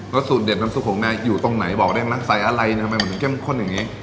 สูตรเด็ดน้ำซุปของแม่อยู่ตรงไหนบอกได้ไหมใส่อะไรทำไมมันถึงเข้มข้นอย่างนี้